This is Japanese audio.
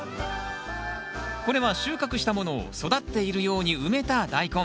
これは収穫したものを育っているように埋めたダイコン。